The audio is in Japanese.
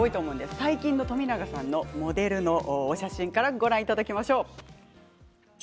最近の冨永さんのモデルのお写真からご覧いただきましょう。